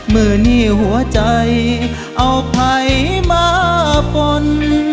เมื่อนี้หัวใจเอาไพมาปล้น